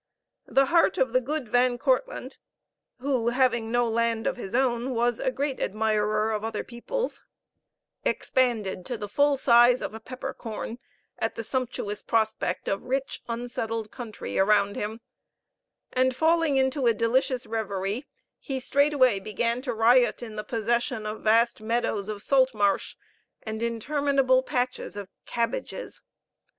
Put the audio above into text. The heart of the good Van Kortlandt who, having no land of his own, was a great admirer of other people's expanded to the full size of a peppercorn at the sumptuous prospect of rich unsettled country around him, and falling into a delicious reverie, he straightway began to riot in the possession of vast meadows of salt marsh and interminable patches of cabbages.